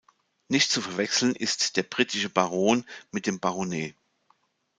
Nicht zu verwechseln ist der britische Baron mit dem Baronet.